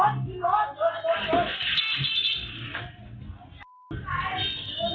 ขนาดริวขนาดริว